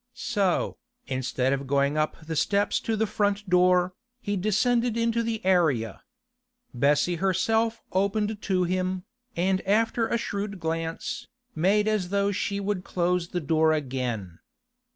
So, instead of going up the steps to the front door, he descended into the area. Bessie herself opened to him, and after a shrewd glance, made as though she would close the door again.